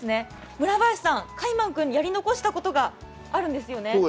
村林さん、カイマン君にやり残したことがあるんですよね。